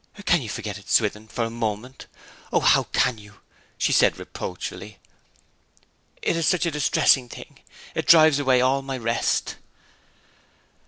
'Can you forget it, Swithin, for a moment? O how can you!' she said reproachfully. 'It is such a distressing thing. It drives away all my rest!'